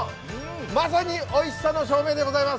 まさにおいしさの証明でございます。